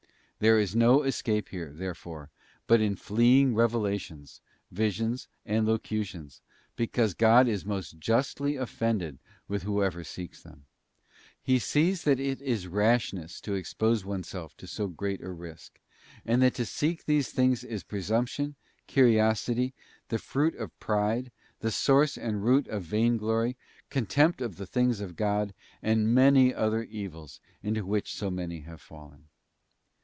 There is no escape here, therefore, but in fleeing revelations, visions, and locutions, because God is most justly offended with whosoever seeks them; He sees that it is rashness to expose oneself to so great a risk, and that to seek these things is presumption, curiosity, the fruit of pride, the source and root of vain glory, contempt of the things | of God, and many other evils into which so many have fallen.